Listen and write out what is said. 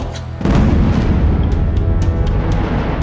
tidak ada yang bisa diberikan